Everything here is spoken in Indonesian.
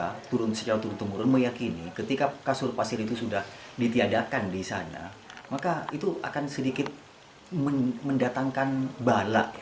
kita turun secara turun temurun meyakini ketika kasur pasir itu sudah ditiadakan di sana maka itu akan sedikit mendatangkan bala